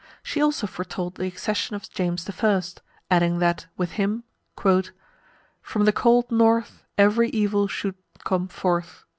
She also foretold the accession of James I., adding that, with him, "From the cold North Every evil should come forth."